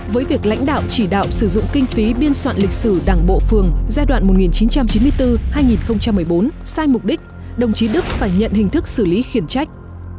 với việc lãnh đạo chỉ đạo sử dụng kinh phí biên soạn lịch sử đảng bộ phường giai đoạn một nghìn chín trăm chín mươi bốn hai nghìn một mươi bốn sai mục đích đồng chí đức phải nhận hình thức xử lý khiển trách